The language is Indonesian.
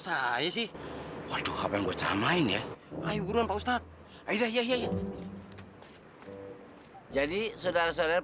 saya sih waduh apa yang gue camain ya ayo buruan pak ustadz ayo deh yahyain jadi saudara saudara